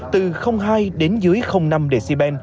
từ hai đến dưới năm db